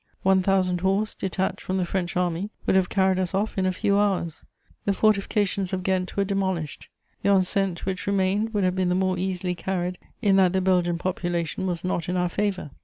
One thousand horse, detached from the French army, would have carried us off in a few hours. The fortifications of Ghent were demolished; the enceinte which remained would have been the more easily carried in that the Belgian population was not in our favour.